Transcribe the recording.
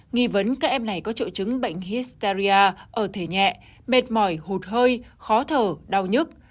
nghi vấn các em này có triệu chứng bệnh histaia ở thể nhẹ mệt mỏi hụt hơi khó thở đau nhức